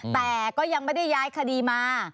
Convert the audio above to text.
แต่ก็ยังไม่ได้ย้ายคดีมา